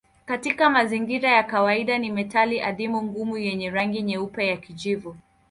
Katika mazingira ya kawaida ni metali adimu ngumu yenye rangi nyeupe ya kijivu.